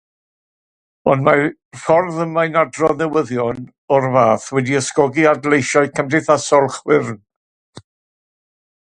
Ond, mae'r ffordd y mae'n adrodd newyddion o'r fath wedi ysgogi adleisiau cymdeithasol chwyrn.